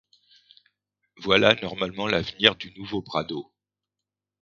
Voilà normalement l’avenir du nouveau Prado.